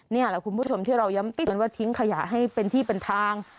นี่แหละคุณผู้ชมที่เราย้ำกันว่าทิ้งขยะให้เป็นที่เป็นทาง